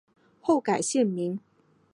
后改现名。